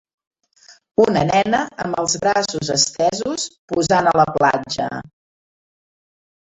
Una nena amb els braços estesos posant a la platja.